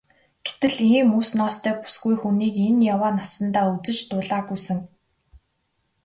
Гэтэл ийм үс ноостой бүсгүй хүнийг энэ яваа насандаа үзэж дуулаагүй сэн.